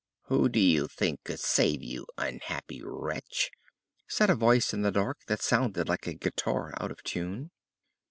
"Who do you think could save you, unhappy wretch?" said a voice in the dark that sounded like a guitar out of tune.